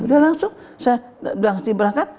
udah langsung saya berangkat